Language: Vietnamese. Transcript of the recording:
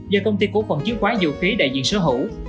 do công ty cổ phần chiếm khoá dầu khí đại diện sở hữu